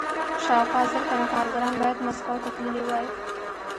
شاوخوا زر تنه کارګران باید مسکو ته تللي وای